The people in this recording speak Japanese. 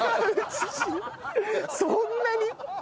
そんなに？